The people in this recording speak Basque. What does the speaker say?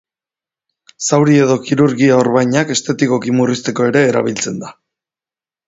Zauri edo kirurgia-orbainak estetikoki murrizteko ere erabiltzen da.